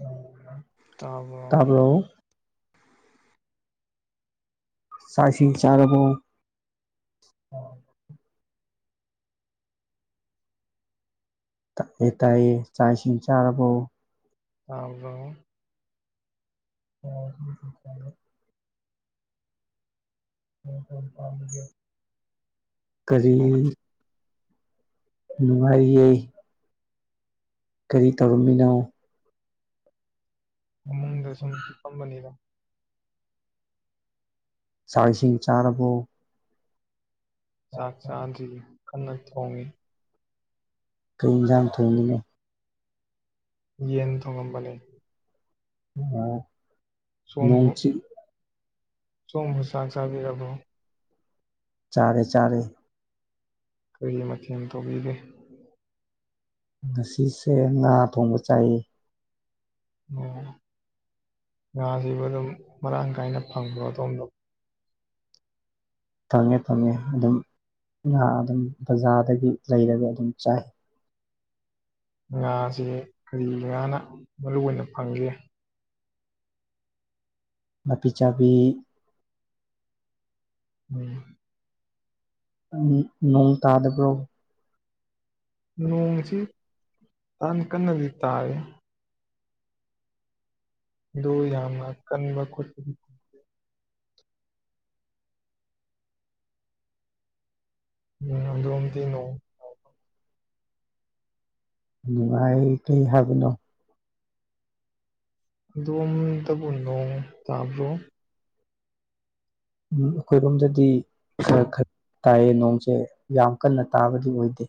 ꯑ ꯇꯥꯕ꯭ꯔꯣ ꯆꯥꯛ ꯏꯁꯤꯡ ꯆꯥꯔꯕꯣ ꯇꯥꯏꯌꯦ ꯇꯥꯏꯌꯦ ꯆꯥꯛ ꯏꯁꯤꯡ ꯆꯥꯔꯕꯣ ꯇꯥꯕ꯭ꯔꯣ [inaudible] [unintelligible] ꯀꯔꯤ ꯅꯨꯡꯉꯥꯏꯔꯤꯌꯦ ꯀꯔꯤ ꯇꯧꯔꯝꯃꯤꯅꯣ ꯏꯃꯨꯡꯗ ꯁꯨꯝ ꯐꯝꯕꯅꯤꯗ ꯆꯥꯛ ꯏꯁꯤꯡ ꯆꯥꯔꯕꯣ ꯆꯥꯛ ꯆꯥꯗ꯭ꯔꯤ ꯀꯟꯅ ꯊꯣꯡꯉꯤ ꯀꯩ ꯌꯦꯟꯖꯥꯡ ꯊꯣꯡꯉꯤꯅꯣ ꯌꯦꯟ ꯊꯣꯡꯉꯝꯕꯅꯦ ꯑ ꯁꯣꯝꯕꯨ ꯁꯣꯝꯕꯨ ꯆꯥꯛ ꯆꯥꯕꯤꯔꯕꯣ ꯍꯜꯂꯣ ꯆꯥꯔꯦ ꯆꯥꯔꯦ ꯀꯩ ꯃꯊꯦꯜ ꯇꯧꯕꯤꯒꯦ ꯉꯁꯤꯁꯦ ꯉꯥ ꯊꯣꯡꯕ ꯆꯥꯏ ꯑꯣ [unintelligible] ꯃꯔꯥꯡ ꯀꯥꯏꯅ ꯐꯪꯕꯔꯣ ꯑꯗꯣꯝꯗꯣ ꯐꯪꯉꯦ ꯐꯪꯉꯦ ꯑꯗꯨꯝ ꯉꯥ ꯑꯗꯨꯝ ꯕꯖꯥꯔꯗꯒꯤ ꯂꯩꯔꯒ ꯑꯗꯨꯝ ꯆꯥꯏ ꯉꯥꯖꯦ ꯀꯔꯤ ꯉꯥꯅ ꯃꯔꯨ ꯑꯣꯏꯅ ꯐꯪꯒꯦ ꯅꯥꯄꯤ ꯆꯥꯕꯤ ꯎꯝ ꯅꯣꯡ ꯇꯥꯗꯕ꯭ꯔꯣ ꯅꯣꯡꯁꯤ ꯌꯥꯝ ꯀꯟꯅꯗꯤ ꯇꯥ [unintelligible] ꯀꯟꯕ ꯈꯣꯠꯄ ꯎꯝ ꯑꯗꯣꯝꯗꯤ ꯅꯣꯡ ꯅꯨꯡꯉꯥꯏ ꯀꯩ ꯍꯥꯏꯕꯅꯣ ꯑꯗꯨꯝ ꯇꯕꯨ ꯅꯣꯡ ꯇꯥꯕ꯭ꯔꯣ ꯎꯝ ꯑꯩꯈꯣꯏꯔꯣꯝꯗꯗꯤ ꯈꯔ ꯈ ꯇꯥꯏꯌꯦ ꯅꯣꯡꯁꯦ ꯌꯥꯝ ꯀꯟꯅ ꯇꯥꯕꯗꯤ ꯑꯣꯏꯗꯦ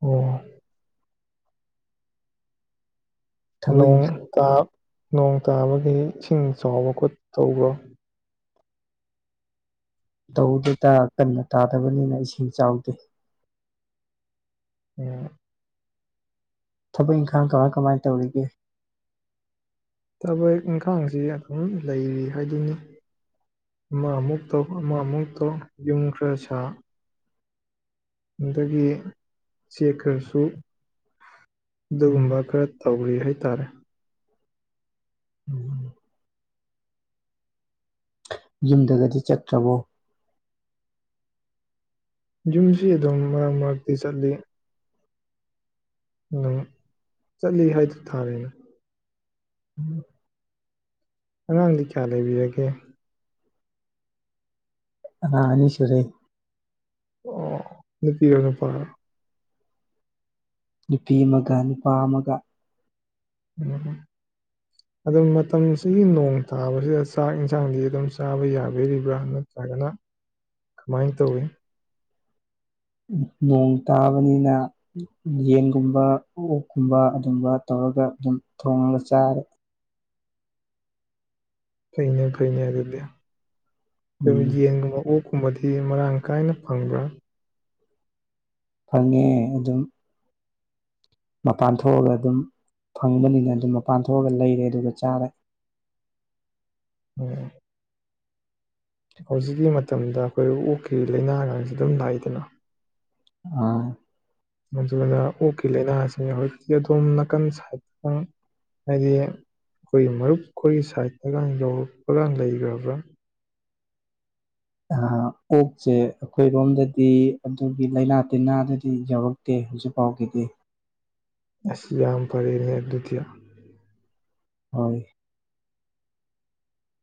ꯑꯣ ꯅꯣꯡ ꯀꯥꯞ ꯅꯣꯡ ꯇꯥꯕꯒꯤ ꯏꯁꯤꯡ ꯆꯥꯎꯕ ꯈꯣꯠ ꯇꯧꯕꯔꯣ ꯇꯧꯗꯦꯗ ꯀꯟꯅ ꯇꯥꯗꯕꯅꯤꯅ ꯏꯁꯤꯡ ꯆꯥꯎꯗꯦ ꯎꯝ ꯊꯕꯛ ꯏꯪꯈꯥꯡ ꯀꯃꯥꯏ ꯀꯃꯥꯏ ꯇꯧꯔꯤꯒꯦ ꯊꯕꯛ ꯏꯟꯈꯥꯡꯁꯤ ꯑꯗꯨꯝ ꯂꯩꯔꯤ ꯍꯥꯏꯗꯨꯅꯤ ꯑꯃꯥ ꯑꯃꯨꯛ ꯇꯧ ꯑꯃ ꯑꯃꯨꯛ ꯇꯧ ꯌꯨꯝ ꯈꯔ ꯁꯥ ꯑꯗꯒꯤ ꯆꯦꯛ ꯈꯔꯁꯨ ꯑꯗꯨꯒꯨꯝꯕ ꯈꯔ ꯇꯧꯔꯤ ꯍꯥꯏꯇꯥꯔꯦ [unintelligible] ꯌꯨꯝꯗꯒꯗꯤ ꯆꯠꯇ꯭ꯔꯕꯣ ꯌꯨꯝꯁꯤ ꯑꯗꯨꯝ ꯃꯔꯛ ꯃꯔꯛ [unintelligible] ꯆꯠꯂꯤ [unintelligible] ꯇꯥꯔꯦꯅꯦ [unintelligible] ꯑꯉꯥꯡꯗꯤ ꯀꯌꯥ ꯂꯩꯕꯤꯔꯒꯦ ꯑꯉꯥꯡ ꯑꯅꯤꯁꯨꯔꯦ ꯑꯣ ꯅꯨꯄꯤꯔꯣ ꯅꯨꯄꯥꯔꯣ ꯅꯨꯄꯤ ꯑꯃꯒ ꯅꯨꯄꯥ ꯑꯃꯒ ꯎꯝ ꯑꯗꯨ ꯃꯇꯝꯁꯤꯒꯤ ꯅꯣꯡ ꯇꯥꯕꯁꯤꯗ ꯆꯥꯛ ꯌꯦꯟꯁꯥꯡꯗꯤ ꯑꯗꯨꯝ ꯆꯥꯕ ꯌꯥꯕꯤꯔꯤꯕ꯭ꯔꯥ ꯅꯠꯇ꯭ꯔꯒꯅ ꯀꯃꯥꯏ ꯇꯧꯔꯤ ꯅꯣꯡ ꯇꯥꯕꯅꯤꯅ ꯌꯦꯟꯒꯨꯝꯕ ꯑꯣꯛꯀꯨꯝꯕ ꯑꯗꯨꯝꯕ ꯇꯧꯔꯒ ꯑꯗꯨꯝ ꯊꯣꯡꯉꯒ ꯆꯥꯔꯦ ꯐꯩꯅꯦ ꯐꯩꯅꯦ ꯑꯗꯨꯗꯤ ꯌꯦꯟꯒꯨꯝꯕꯥ ꯑꯣꯛ ꯀꯨꯝꯕꯗꯤ ꯃꯔꯥꯡ ꯀꯥꯏꯅ ꯐꯪꯕ꯭ꯔꯥ ꯐꯪꯉꯦ ꯑꯗꯨꯝ ꯃꯄꯥꯟ ꯊꯣꯛꯑꯒ ꯑꯗꯨꯝ ꯐꯪꯕꯅꯤꯅ ꯑꯗꯨꯝ ꯃꯄꯥꯟ ꯊꯣꯛꯑꯒ ꯂꯩꯔꯦ ꯑꯗꯨꯒ ꯆꯥꯔꯦ [unintelligible] ꯍꯧꯖꯤꯛꯀꯤ ꯃꯇꯝꯗ [unintelligible] ꯑꯣꯛꯀꯤ ꯂꯥꯏꯅꯥꯒꯥꯡꯁꯨ ꯑꯗꯨꯝ ꯂꯥꯛꯏꯗꯅ ꯑꯥ [unintelligible] ꯑꯣꯛꯀꯤ ꯂꯩꯅꯥ ꯍꯧꯖꯤꯛꯇꯤ ꯑꯗꯣꯝ ꯅꯥꯀꯟ [unintelligible] ꯍꯥꯏꯗꯤ ꯑꯩꯈꯣꯏꯒꯤ ꯃꯔꯨꯞꯈꯣꯏꯒꯤ ꯁꯥꯏꯠ [unintelligible] [unintelligible] [unintelligible] ꯂꯩꯒꯔꯕ꯭ꯔꯥ ꯑꯣꯛꯁꯦ ꯑꯩꯈꯣꯏꯔꯣꯝꯗꯗꯤ ꯑꯗꯨꯒꯤ ꯂꯥꯏꯅꯥ ꯇꯤꯟꯅꯥꯗꯨꯗꯤ ꯌꯥꯎꯔꯛꯇꯦ ꯍꯧꯖꯤꯛꯐꯥꯎꯒꯤꯗꯤ ꯑꯁ ꯌꯥꯝ ꯐꯔꯦꯅꯦ ꯑꯗꯨ [unintelligible] ꯍꯣꯏ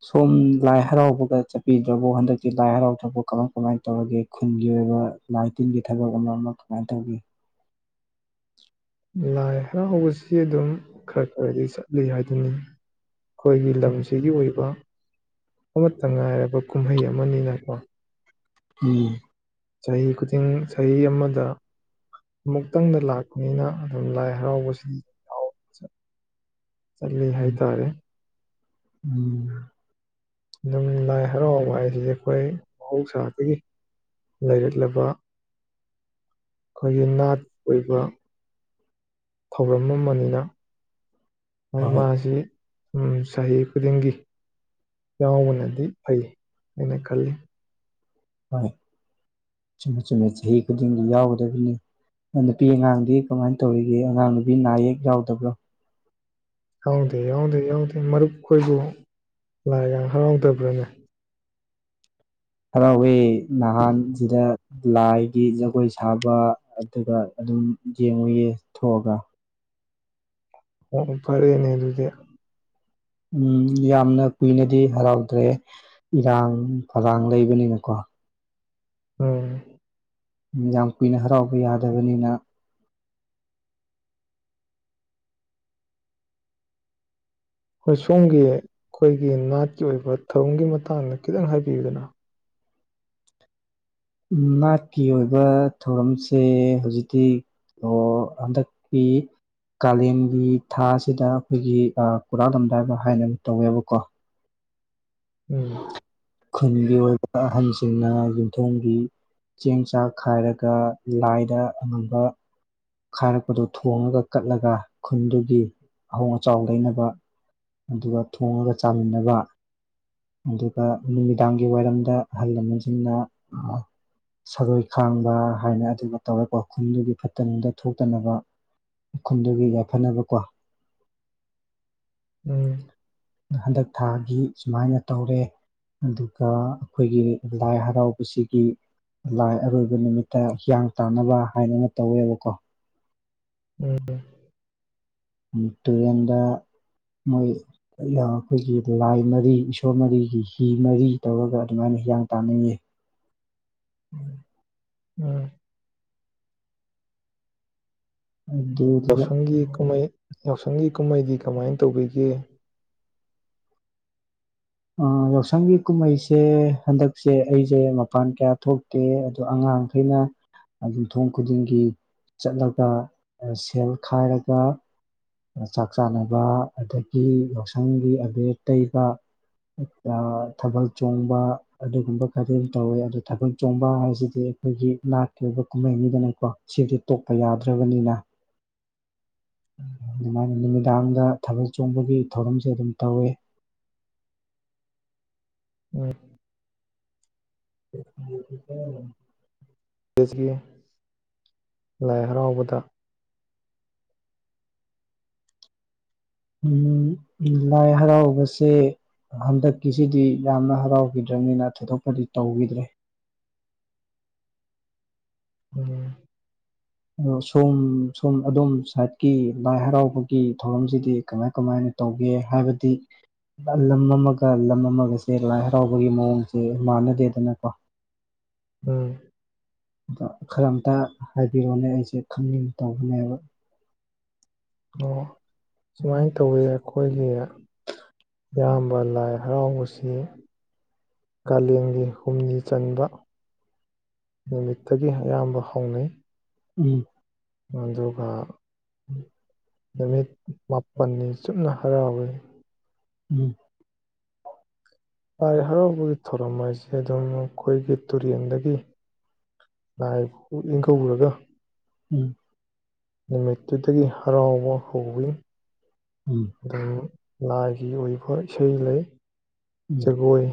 ꯁꯣꯝ ꯂꯥꯏ ꯍꯔꯥꯎꯕꯒ ꯆꯠꯄꯤꯗ꯭ꯔꯕꯣ ꯍꯟꯗꯛꯇꯤ ꯂꯥꯏ ꯍꯔꯥꯎꯗꯕ ꯀꯃꯥꯏ ꯀꯃꯥꯏꯅ ꯇꯧꯔꯒꯦ ꯈꯨꯟꯒꯤ ꯑꯣꯏꯕ ꯂꯥꯏ ꯇꯤꯟꯒꯤ ꯊꯕꯛ ꯑꯃ ꯑꯃ ꯀꯃꯥꯏꯅ ꯇꯧꯔꯤ ꯂꯥꯏ ꯍꯔꯥꯑꯣ ꯁꯤ ꯑꯗꯨꯝ ꯈꯔ ꯈꯔꯗꯤ ꯆꯠꯂꯤ ꯍꯥꯏꯗꯨꯅꯤ ꯑꯩꯈꯣꯏꯒꯤ ꯂꯝꯁꯤꯒꯤ ꯑꯣꯏꯕ ꯑꯃꯠꯇ ꯉꯥꯏꯔꯕ ꯀꯨꯝꯍꯩ ꯑꯃ ꯑꯃꯅꯤꯅꯀꯣ ꯎꯝ ꯆꯍꯤ ꯈꯨꯗꯤꯡ ꯆꯍꯤ ꯑꯃꯗ ꯑꯃꯨꯛꯇꯪꯗ ꯂꯥꯛꯄꯅꯤꯅ ꯂꯥꯏ ꯍꯔꯥꯑꯣꯕꯁꯤ ꯆꯂꯤ ꯍꯥꯏꯇꯥꯔꯦ ꯎꯝ ꯑꯗꯨꯝ ꯂꯥꯏ ꯍꯔꯥꯎꯕ ꯍꯥꯏꯁꯤꯗꯤ ꯑꯩꯈꯣꯏ ꯃꯍꯧꯁꯥꯗꯒꯤ ꯂꯩꯥꯏꯔꯛꯂꯕ ꯈꯣꯏ ꯅꯥꯠ ꯑꯣꯏꯕ ꯊꯧꯔꯝ ꯑꯃꯅꯤꯅ ꯍ ꯃꯥꯁꯤ ꯎ ꯆꯍꯤ ꯈꯨꯗꯤꯡꯒꯤ ꯌꯥꯕꯅꯗꯤ ꯐꯩ ꯍꯥꯏꯩꯅ ꯈꯜꯂꯤ ꯍꯣꯏ ꯆꯨꯝꯃꯦ ꯆꯨꯝꯃꯦ ꯆꯍꯤ ꯈꯨꯗꯤꯡꯒꯤ ꯌꯥꯎꯒꯗꯕꯅꯤ ꯅꯨꯄꯤ ꯑꯉꯥꯡꯗꯤ ꯀꯃꯥꯏꯅ ꯇꯧꯔꯤꯒꯦ ꯑꯉꯥꯡ ꯅꯨꯄꯤ ꯅꯥ ꯑꯌꯦꯛ ꯌꯥꯎꯗꯕ꯭ꯔꯣ ꯌꯥꯑꯣꯗꯦ ꯌꯥꯑꯣꯗꯦ ꯌꯥꯑꯣꯗꯦ ꯃꯔꯨꯞꯈꯣꯏꯕꯨ ꯂꯥꯏ ꯌꯥꯝ ꯍꯔꯥꯎꯗꯕ꯭ꯔꯅꯦ ꯍꯥꯔꯥꯑꯣꯏ ꯅꯍꯥꯟ ꯁꯤꯗ ꯂꯥꯏꯒꯤ ꯖꯒꯣꯏ ꯁꯥꯕ ꯑꯗꯨꯒ ꯑꯗꯨꯝ ꯌꯦꯡꯉꯨ ꯌꯦ ꯊꯣꯛꯑꯒ ꯑꯣ ꯐꯔꯦꯅꯦ ꯑꯗꯨꯗꯤ ꯎꯝ ꯌꯥꯝꯅ ꯀꯨꯏꯅꯗꯤ ꯍꯔꯥꯎꯗ꯭ꯔꯦ ꯏꯔꯥꯡ ꯐꯔꯥꯡ ꯂꯩꯕꯅꯤꯅꯀꯣ ꯑꯣ ꯌꯥꯝ ꯀꯨꯏꯅ ꯍꯔꯥꯎꯕ ꯌꯥꯗꯕꯅꯤꯅ ꯑꯣꯏ ꯁꯣꯝꯒꯤ ꯑꯩꯈꯣꯏꯒꯤ ꯅꯥꯠꯀꯤ ꯑꯣꯏꯕ ꯊꯧꯔꯡꯒꯤ ꯃꯇꯥꯡꯗ ꯈꯤꯇꯪ ꯍꯥꯏꯕꯤꯌꯨꯗꯅ ꯅꯥꯠꯀꯤ ꯑꯣꯏꯕ ꯊꯧꯔꯝꯁꯦ ꯍꯧꯖꯤꯛꯇꯤ ꯍꯟꯗꯛꯀꯤ ꯀꯥꯂꯦꯟꯒꯤ ꯊꯥꯁꯤꯗ ꯑꯩꯈꯣꯏꯒꯤ ꯀꯨꯔꯥꯂꯝꯗꯥꯏꯕ ꯍꯥꯏꯅ ꯇꯧꯋꯦꯕꯀꯣ ꯈꯨꯟꯒꯤ ꯑꯣꯏꯒ ꯑꯍꯟ ꯁꯤꯡꯅ ꯌꯨꯝꯊꯣꯡꯒꯤ ꯆꯦꯡ ꯆꯥꯛ ꯈꯥꯏꯔꯒ ꯂꯥꯏꯗ ꯑꯉꯝꯕ ꯈꯥꯏꯔꯛꯄꯗ ꯊꯣꯡꯉꯒ ꯀꯠꯂꯒ ꯈꯨꯟꯗꯨꯒꯤ ꯑꯍꯣꯡ ꯑꯆꯥꯎ ꯂꯩꯅꯕ ꯑꯗꯨꯒ ꯊꯣꯡꯉꯒ ꯆꯥꯃꯤꯟꯅꯕ ꯑꯗꯨꯒ ꯅꯨꯃꯤꯗꯥꯡꯒꯤ ꯋꯥꯏꯔꯝꯗ ꯑꯍꯜ ꯂꯃꯟꯁꯤꯡꯅ ꯁꯔꯣꯏ ꯈꯥꯡꯕ ꯍꯥꯏꯅ ꯑꯗꯨꯃ ꯇꯧꯋꯦꯀꯣ ꯈꯨꯟꯗꯨꯒꯤ ꯐꯠꯇꯅꯨꯡꯗ ꯊꯣꯛꯇꯅꯕ ꯃꯈꯟꯗꯨꯒꯤ ꯌꯥꯏꯐꯅꯕ ꯀꯣ ꯎꯝ ꯊꯥꯒꯤ ꯁꯨꯃꯥꯏꯅ ꯇꯧꯔꯦ ꯑꯗꯨꯒ ꯑꯩꯈꯣꯏꯒꯤ ꯂꯥꯏ ꯍꯔꯥꯎꯕꯁꯤꯒꯤ ꯂꯥꯏ ꯑꯔꯣꯏꯕ ꯅꯨꯃꯤꯠꯇ ꯍꯤꯌꯥꯡ ꯇꯥꯟꯅꯕ ꯍꯥꯏꯗꯅ ꯇꯧꯋꯦꯕꯀꯣ ꯇꯨꯔꯦꯟꯗ ꯃꯣꯏ ꯑꯩꯈꯣꯏꯒꯤ ꯂꯥꯏ ꯃꯔꯤ ꯏꯁꯣꯔ ꯃꯔꯤꯒꯤ ꯍꯤ ꯃꯔꯤ ꯇꯧꯔꯒ ꯑꯗꯨꯃꯥꯏꯅ ꯍꯤꯌꯥꯡ ꯇꯥꯟꯅꯤ ꯎꯝ ꯄꯁꯒꯤ ꯀꯥꯏ ꯌꯥꯎꯁꯪꯒꯤ ꯀꯨꯝꯍꯩꯗꯤ ꯀꯃꯥꯏꯅ ꯇꯧꯕꯤꯒꯦ ꯌꯥꯎꯁꯪꯒꯤ ꯀꯨꯝꯍꯩꯁꯦ ꯍꯟꯗꯛꯁꯦ ꯑꯩꯁꯦ ꯃꯄꯥꯟ ꯀꯌꯥ ꯊꯣꯛꯇꯦ ꯑꯗꯣ ꯑꯉꯥꯡꯈꯩꯅ ꯌꯨꯝꯊꯣꯡ ꯈꯨꯗꯤꯡꯒꯤ ꯆꯠꯂꯒ ꯁꯦꯜ ꯈꯥꯏꯔꯒ ꯆꯥꯛ ꯆꯥꯅꯕ ꯑꯗꯒꯤ ꯌꯥꯎꯁꯪꯒꯤ ꯑꯕꯦꯔ ꯇꯩꯕ ꯊꯥꯕꯜ ꯆꯣꯡꯕ ꯑꯗꯨꯒꯨꯝꯕ ꯈꯔꯗꯤꯝ ꯇꯧꯋꯦ ꯑꯗꯨ ꯊꯥꯕꯜ ꯆꯣꯡꯕ ꯍꯥꯏꯁꯤꯗꯤ ꯑꯩꯈꯣꯏꯒꯤ ꯅꯥꯠꯀꯤ ꯑꯣꯏꯕ ꯀꯨꯝꯍꯩꯅꯤꯗꯅꯀꯣ ꯁꯤꯗꯤ ꯇꯣꯛꯄ ꯌꯥꯗ꯭ꯔꯕꯅꯤꯅ ꯑꯗꯨꯃꯥꯏꯅ ꯅꯨꯃꯤꯗꯥꯡꯗ ꯊꯕꯜ ꯆꯣꯡꯕꯒꯤ ꯊꯧꯔꯝꯁꯦ ꯑꯗꯨꯝ ꯇꯧꯋꯤ ꯎꯝ ꯂꯥꯏ ꯍꯔꯥꯎꯕꯗ ꯎꯃ ꯂꯥꯏ ꯍꯔꯥꯎꯕꯁꯦ ꯍꯟꯗꯛꯀꯤꯁꯤꯗꯤ ꯌꯥꯝꯅ ꯍꯔꯥꯎꯈꯤꯗ꯭ꯔꯅꯤꯅ ꯊꯣꯏꯗꯣꯛꯄꯗꯤ ꯇꯧꯈꯤꯗ꯭ꯔꯦ ꯎꯝ ꯑꯗꯣ ꯁꯣꯝ ꯁꯣꯝ ꯑꯗꯨꯝ ꯁꯥꯏꯠꯀꯤ ꯂꯥꯏ ꯍꯔꯥꯎꯕꯒꯤ ꯊꯧꯔꯝꯁꯤꯗꯤ ꯀꯃꯥꯏ ꯀꯃꯥꯏꯅ ꯇꯧꯒꯦ ꯍꯥꯏꯕꯗꯤ ꯂꯝ ꯑꯃꯒ ꯂꯝ ꯑꯃꯒꯁꯦ ꯂꯥꯏ ꯍꯔꯥꯎꯕꯒꯤ ꯃꯑꯣꯡꯁꯦ ꯃꯥꯟꯅꯗꯦꯗꯅꯀꯣ ꯎꯝ ꯑꯗꯣ ꯈꯔ ꯑꯝꯇ ꯍꯥꯏꯕꯤꯔꯣꯅꯦ ꯑꯩꯁꯦ ꯈꯪꯅꯤꯡꯅ ꯇꯧꯕꯅꯦꯕ ꯑꯣ ꯁꯨꯃꯥꯏꯅ ꯇꯧꯋꯤ ꯑꯩꯈꯣꯏꯒꯤ ꯏꯌꯥꯝꯕ ꯂꯥꯏ ꯍꯔꯥꯎꯕꯁꯤ ꯀꯂꯦꯟꯒꯤ ꯍꯨꯝꯅꯤ ꯆꯟꯕ ꯅꯨꯃꯤꯠꯇꯒꯤ ꯑꯌꯥꯝꯕ ꯍꯧꯅꯩ ꯎꯝ ꯑꯗꯨꯒ ꯅꯨꯃꯤꯠ ꯃꯥꯄꯜꯅꯤ ꯆꯨꯞꯅ ꯍꯔꯥꯎꯏ ꯎꯝ ꯂꯥꯌ ꯍꯥꯔꯥꯎꯕ ꯊꯧꯔꯝ ꯍꯥꯏꯁꯦ ꯑꯗꯨꯝ ꯑꯩꯈꯣꯏꯒꯤ ꯇꯨꯔꯦꯟꯗꯒꯤ ꯂꯥꯏꯕꯨ ꯏꯪꯀꯧꯔꯒ ꯎꯝ ꯅꯨꯃꯤꯠꯇꯗꯒꯤ ꯍꯔꯥꯎꯕ ꯍꯧꯢ ꯑꯗꯨꯝ ꯂꯥꯏ ꯒꯤ ꯑꯣꯏꯕ ꯏꯁꯩ ꯂꯩ ꯖꯒꯣꯏ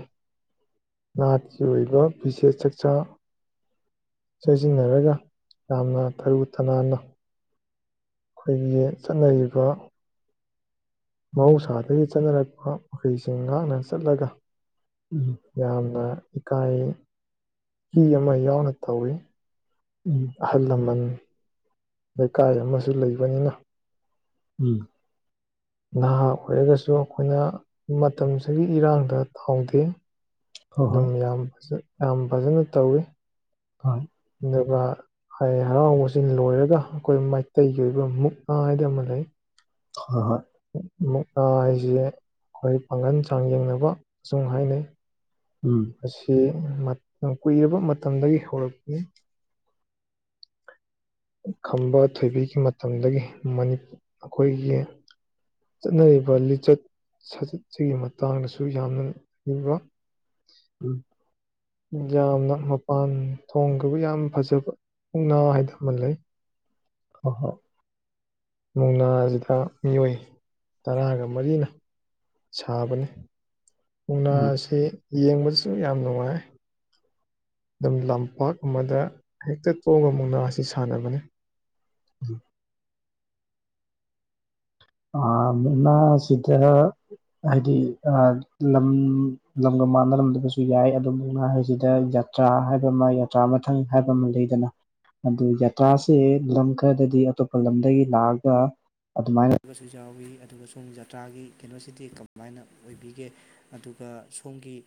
ꯅꯥꯠꯀꯤ ꯑꯣꯏꯕ ꯕꯤꯁꯦꯁ ꯆꯛꯆꯥ ꯁꯤꯖꯤꯟꯅꯔꯒ ꯌꯥꯝꯅ ꯇꯔꯨ ꯇꯅꯥꯟꯅ ꯑꯩꯈꯣꯏꯒꯤ ꯆꯠꯅꯔꯤꯕ ꯀ ꯃꯍꯧꯁꯥꯗꯒꯤ ꯆꯅꯥꯔꯛꯄ ꯃꯈ ꯃꯈꯩꯁꯤꯡ ꯉꯥꯛꯅ ꯆꯠꯂꯒ ꯌꯥꯝꯅ ꯏꯀꯥꯏ ꯀ ꯌꯥꯝꯃ ꯌꯥꯎꯅ ꯇꯧꯏ ꯑꯍꯜ ꯂꯃꯟ ꯂꯩꯀꯥꯏ ꯑꯃꯁꯨ ꯂꯩ ꯕꯅꯤꯅ ꯎꯝ ꯑꯩꯈꯣꯏꯅ ꯃꯇꯝꯁꯤꯒꯤ ꯏꯔꯥꯡ ꯊꯥꯎꯗ ꯑꯗꯨꯝ ꯌꯥꯝ ꯐꯖ ꯌꯥꯝ ꯐꯖꯅ ꯇꯧꯏ ꯍꯣꯏ ꯍꯔꯥꯎꯕꯁꯤꯡ ꯂꯣꯏꯔꯒ ꯑꯩꯈꯣꯏ ꯃꯩꯇꯩꯒꯤ ꯑꯣꯏꯕ ꯃꯨꯛꯅꯥ ꯍꯥꯏꯗ ꯑꯃ ꯂꯩ ꯍ ꯍꯣꯏ ꯃꯨꯛꯅ ꯍꯥꯏꯖꯦ ꯍꯣꯏ ꯄꯥꯪꯒꯟ ꯆꯥꯡꯌꯦꯡꯅꯕ ꯑꯃꯁꯨꯡ ꯍꯥꯏꯅꯩ [unintelligible] ꯀꯨꯏꯔꯕ ꯃꯇꯝꯗꯒꯤ ꯍꯧꯔꯛꯄꯅꯤ ꯈꯝꯕ ꯊꯣꯏꯕꯤꯒꯤ ꯃ ꯃꯇꯝꯗꯒꯤ ꯃꯅꯤ ꯑꯩꯈꯣꯏꯒꯤ ꯆꯠꯅꯔꯤꯕ ꯂꯤꯆꯠ ꯁꯥꯖꯠꯁꯤꯒꯤ ꯃꯇꯥꯡꯗꯁꯨ ꯌꯥꯝꯅ ꯎ ꯌꯥꯝ ꯌꯥꯝꯅ ꯊꯣꯡꯗꯕ ꯌꯥꯝ ꯐꯖꯕ ꯄꯨꯡꯅꯥ ꯍꯥꯏꯗꯅꯃ ꯂꯩ ꯍ ꯍꯣ ꯃꯨꯛꯅꯥ ꯑꯁꯤꯗ ꯃꯤꯑꯣꯏ ꯇꯔꯥꯒ ꯃꯔꯤꯅ ꯁꯥꯕꯅꯤ ꯀꯧꯅꯥ ꯑꯁꯤ ꯌꯦꯡꯕꯗꯁꯨ ꯌꯥꯝ ꯅꯨꯡꯉꯥꯏ ꯑꯗꯨꯝ ꯂꯝꯄꯥꯛ ꯑꯃꯗ ꯍꯛꯇ ꯇꯣꯡꯉꯒ ꯃꯨꯡꯗꯁꯦ ꯁꯤ ꯁꯥꯟꯅꯕꯅꯦ ꯎꯝ ꯃꯨꯛꯅꯥꯁꯤꯗ ꯍꯥꯏꯗꯤ ꯂꯝ ꯂꯝꯒ ꯃꯥꯟꯅꯔꯝꯗꯕꯁꯨ ꯌꯥꯏ ꯑꯗꯨ ꯃꯨꯛꯅꯥ ꯍꯥꯏꯁꯤꯗ ꯌꯥꯇ꯭ꯔꯥ ꯍꯥꯏꯕ ꯑꯃ ꯌꯥꯇ꯭ꯔꯥ ꯃꯊꯪ ꯍꯥꯏꯕ ꯑꯃ ꯂꯩꯗꯅ ꯑꯗꯨ ꯌꯥꯇ꯭ꯔꯥꯁꯦ ꯂꯝ ꯈꯔꯗꯗꯤ ꯑꯇꯣꯞꯄ ꯂꯝꯗꯒꯤ ꯂꯥꯛꯑꯒ ꯑꯗꯨꯃꯥꯏꯅ ꯑꯗꯨꯁꯨ ꯌꯥꯎꯋꯤ ꯑꯗꯨꯒ ꯁꯣꯝ ꯖꯇ꯭ꯔꯥꯒꯤ ꯀꯩꯅꯣꯁꯤꯗꯤ ꯀꯃꯥꯏꯅ ꯑꯣꯏꯕꯤꯒꯦ ꯑꯗꯨꯒ ꯁꯣꯝꯒꯤ